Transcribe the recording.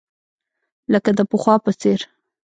لکه د پخوا په څېر.